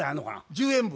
１０円分。